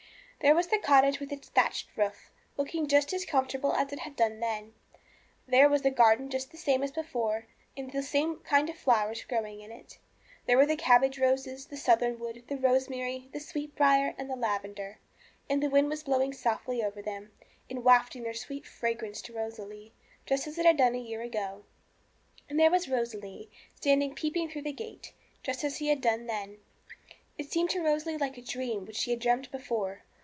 There was the cottage with its thatched roof, looking just as comfortable as it had done then; there was the garden just the same as before, with the same kind of flowers growing in it; there were the cabbage roses, the southernwood, the rosemary, the sweetbriar, and the lavender. And the wind was blowing softly over them, and wafting their sweet fragrance to Rosalie, just as it had done a year ago. And there was Rosalie, standing peeping through the gate, just as she had done then. It seemed to Rosalie like a dream which she had dreamt before.